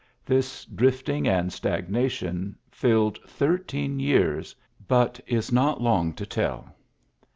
This drifting and stagnation filled thirteen years, but is not long to tell.